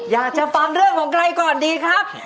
อยากจะฟังเรื่องของใครก่อนดีครับ